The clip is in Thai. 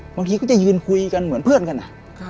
บางทีก็จะยืนคุยกันเหมือนเพื่อนกัน